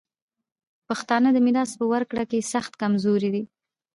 پښتانه د میراث په ورکړه کي سخت کمزوري دي.